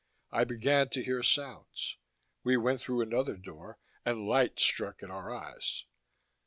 I began to hear sounds; we went through another door, and light struck at our eyes.